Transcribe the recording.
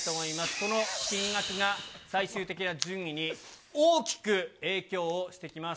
この金額が、最終的な順位に大きく影響をしてきます。